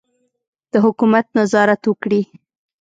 د حکومت نظارت وکړي.